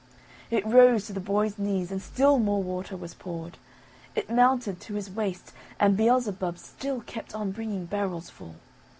It rose to the boy's knees and still more water was poured. It mounted to his waist, and Beelzebub still kept on bringing barrels full.